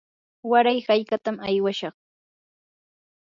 waray hallqatam aywashaq.